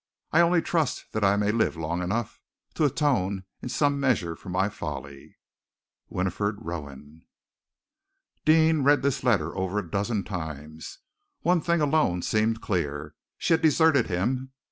I only trust that I may live long enough to atone in some measure for my folly. WINIFRED ROWAN. Deane read this letter over a dozen times. One thing alone seemed clear. She had deserted him.